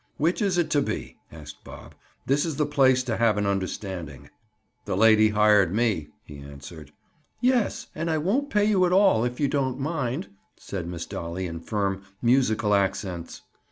"Which is it to be?" asked Bob. "This is the place to have an understanding." "The lady hired me," he answered. "Yes, and I won't pay you at all, if you don't mind," said Miss Dolly in firm musical accents.